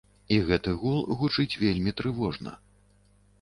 І гэты гул гучыць вельмі трывожна.